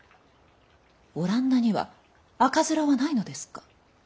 オランダには赤面はないのですか？